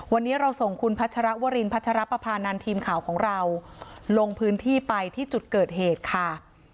วันนี้เราส่งคุณพัชรวรินพัชรปภานันทีมข่าวของเราลงพื้นที่ไปที่จุดเกิดเหตุค่ะ